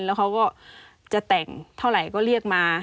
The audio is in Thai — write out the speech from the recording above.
แล้วเขาก็จะแต่งเท่าไหร่ก็เรียกมา